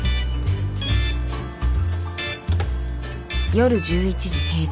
夜１１時閉店。